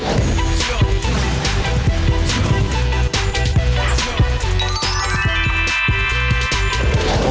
ดีกว่า